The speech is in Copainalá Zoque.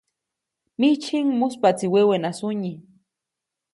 Mijtsyjiʼŋ, muspaʼtsi wewena sunyi.